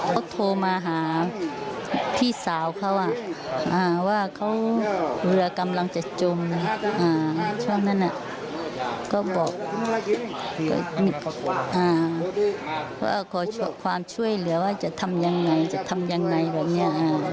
บอกให้เขาสวดมนตร์อะไรแบบนี้